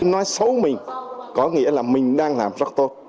nói xấu mình có nghĩa là mình đang làm rất tốt